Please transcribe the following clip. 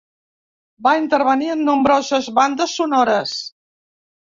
Va intervenir en nombroses bandes sonores.